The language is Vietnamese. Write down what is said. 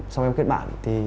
xong em kết bạn